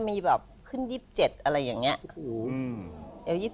มีแบบขึ้น๒๗อะไรอย่างนี้